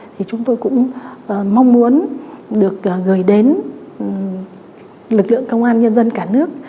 thì chúng tôi cũng mong muốn được gửi đến lực lượng công an nhân dân cả nước